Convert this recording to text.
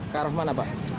ke arah mana pak